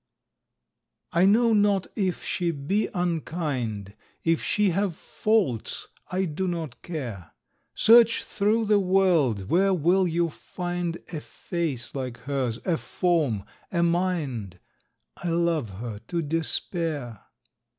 I know not if she be unkind, If she have faults I do not care; Search through the world where will you find A face like hers, a form, a mind? _I love her to despair.